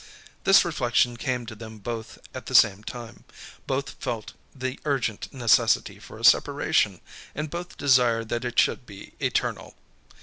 This reflection came to them both at the same time; both felt the urgent necessity for a separation, and both desired that it should be eternal.